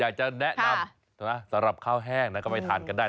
อยากจะแนะนำสำหรับข้าวแห้งนะก็ไปทานกันได้